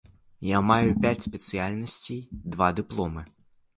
Я маю пяць спецыяльнасцей, два дыпломы.